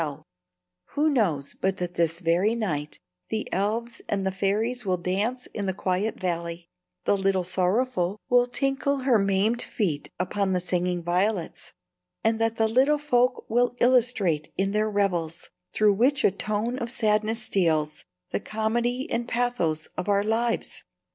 [Illustration: Musical notation] Who knows but that this very night the elves and the fairies will dance in the quiet valley; that Little Sorrowful will tinkle her maimed feet upon the singing violets, and that the little folk will illustrate in their revels, through which a tone of sadness steals, the comedy and pathos of our lives?